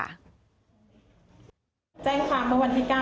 แจ้งความเมื่อวันที่๙